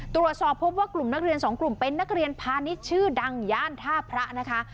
ตรวจสอบพบว่ากลุ่มนักเรียนสองกลุ่มเป็นนักเรียนพาณิชย์ชื่อดังย่านท่าพระนะคะ